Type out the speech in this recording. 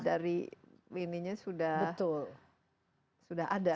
dari ininya sudah ada